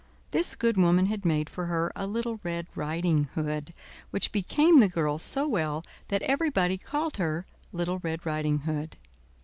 This good woman had made for her a little red riding hood, which became the girl so well that everybody called her Little Red Riding Hood.